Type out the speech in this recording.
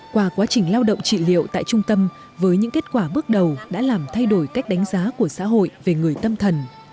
qua quá trình lao động trị liệu tại trung tâm với những kết quả bước đầu đã làm thay đổi cách đánh giá của xã hội về người tâm thần